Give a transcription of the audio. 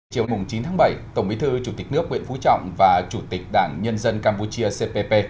chiều chín bảy tổng bí thư chủ tịch nước nguyễn phú trọng và chủ tịch đảng nhân dân campuchia cpp